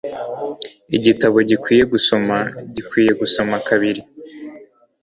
Igitabo gikwiye gusoma gikwiye gusoma kabiri.